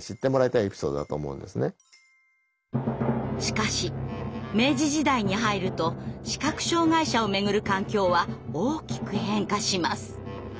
しかし明治時代に入ると視覚障害者をめぐる環境は大きく変化します。